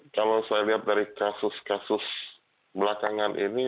kalau saya lihat dari kasus kasus belakangan ini